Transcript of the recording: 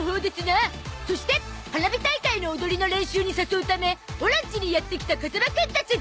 そして花火大会の踊りの練習に誘うためオラんちにやって来た風間くんたち